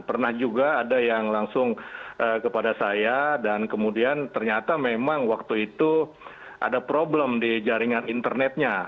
pernah juga ada yang langsung kepada saya dan kemudian ternyata memang waktu itu ada problem di jaringan internetnya